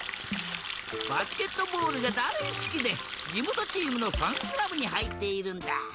バスケットボールがだいすきでじもとチームのファンクラブにはいっているんだ。